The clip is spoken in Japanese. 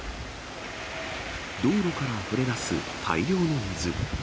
道路からあふれ出す大量の水。